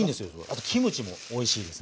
あとキムチもおいしいですね。